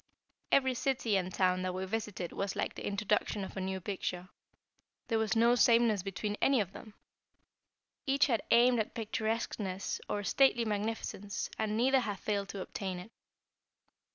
Every city and town that we visited was like the introduction of a new picture. There was no sameness between any of them. Each had aimed at picturesqueness or stately magnificence, and neither had failed to obtain it.